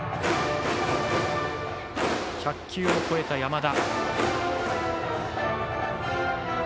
１００球を超えた山田。